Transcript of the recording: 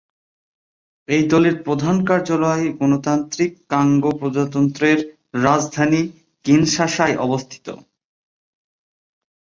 এই দলের প্রধান কার্যালয় গণতান্ত্রিক কঙ্গো প্রজাতন্ত্রের রাজধানী কিনশাসায় অবস্থিত।